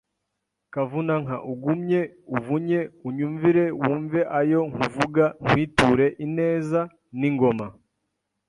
Kavunanka Ugumye uvunye unyumvire Wumve ayo nkuvuga Nkwiture ineza! N’ingoma